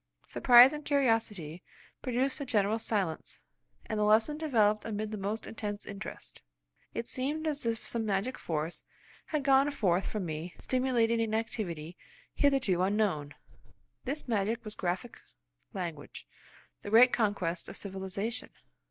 Surprise and curiosity produced a general silence, and the lesson developed amid the most intense interest. It seemed as if some magic force had gone forth from me stimulating an activity hitherto unknown. This magic was graphic language, the greatest conquest of civilisation.